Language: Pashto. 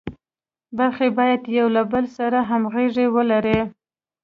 برخې باید یو له بل سره همغږي ولري.